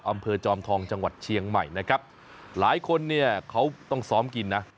อำเภอจอมทองจังหวัดเชียงใหม่นะครับหลายคนเนี่ยเขาต้องซ้อมกินนะ